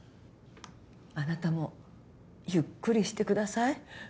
あなたもゆっくりしてください